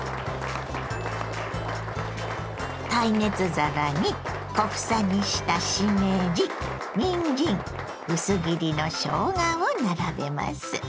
耐熱皿に小房にしたしめじにんじん薄切りのしょうがを並べます。